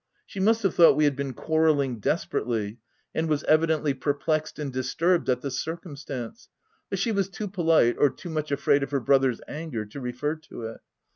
She must have thought we had been quarrelling desperately, and was evi dently perplexed and disturbed at the circum stance ; but she was too polite, or too much afraid of her brother's anger to refer to it.